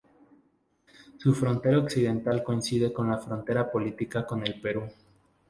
Su frontera occidental coincide con la frontera política con el Perú.